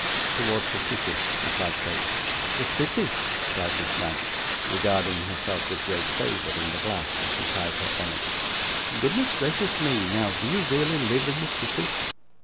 'Towards the city,' replied Kate. 'The city!' cried Miss Knag, regarding herself with great favour in the glass as she tied her bonnet. 'Goodness gracious me! now do you really live in the city?